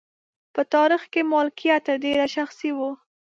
په تاریخ کې مالکیت تر ډېره شخصي و.